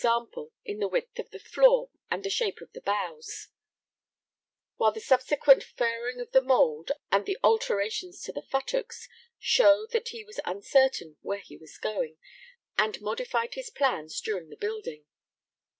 _ in the width of the floor and the shape of the bows), while the subsequent furring of the mould and the alterations to the futtocks show that he was uncertain where he was going, and modified his plans during the building.